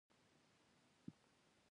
کليوالو وخندل.